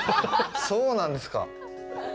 そうなんですか。